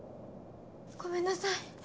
ごめんなさい。